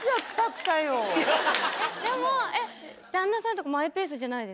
でも。